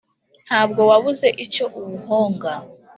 ntabwo wabuze icyo uwuhonga